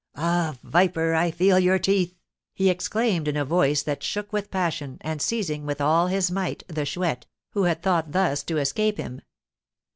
"Ah, viper, I feel your teeth!" he exclaimed in a voice that shook with passion, and seizing, with all his might, the Chouette, who had thought thus to escape him.